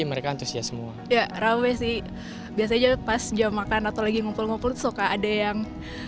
mereka antusias semua ya rame sih biasanya pas jam makan atau lagi ngumpul ngumpul suka ada yang